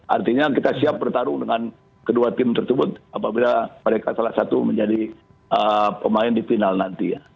artinya kita siap bertarung dengan kedua tim tersebut apabila mereka salah satu menjadi pemain di final nanti ya